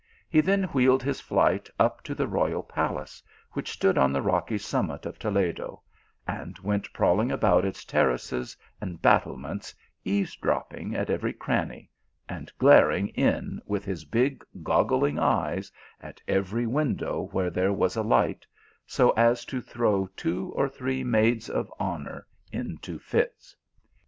He then wheeled his flight up to the loyal palace, which stood on the rocky summit of Toledo, and went prowling about its terraces and battlements, eaves dropping at every cranny, and glaring in with his big goggling eyes at every window where there was a light, so as to throw two or three maids of honour into fits.